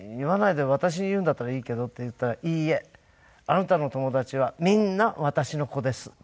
「私に言うんだったらいいけど」って言ったら「いいえ！あなたの友達はみんな私の子です」って。